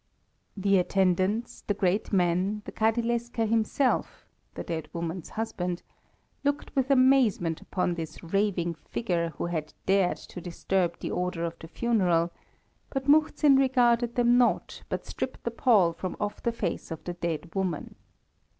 The attendants, the great men, the Kadilesker himself the dead woman's husband looked with amazement upon this raving figure who had dared to disturb the order of the funeral; but Muhzin regarded them not, but stripped the pall from off the face of the dead woman.